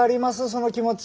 その気持ち。